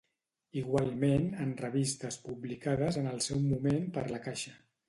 Igualment en revistes publicades en el seu moment per La Caixa.